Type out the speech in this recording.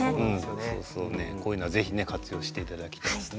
こういうのはぜひ活用してもらいたいですね。